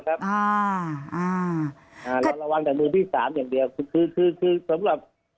คือสมมุติสำหรับ